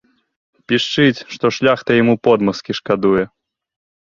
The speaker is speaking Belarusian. Пішчыць, што шляхта яму подмазкі шкадуе.